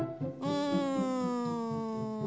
うん。